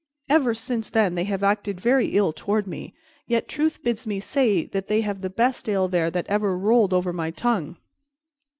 Ever since then they have acted very ill toward me; yet truth bids me say that they have the best ale there that ever rolled over my tongue."